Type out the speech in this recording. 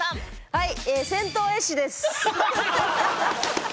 はい。